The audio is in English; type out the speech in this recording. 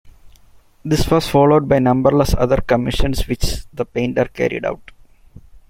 This was followed by numberless other commissions which the painter carried out.